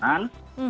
yang memang merubah